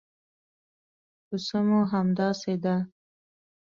کوڅه مو همداسې ده.